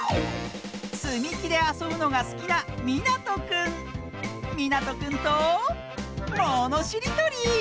つみきであそぶのがすきなみなとくんとものしりとり！